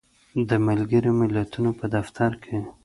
د ملګری ملتونو په دفتر کې